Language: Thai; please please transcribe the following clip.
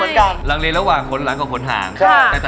พี่ทำอะไรขนเต้ำอยู่ดูซิทีโซ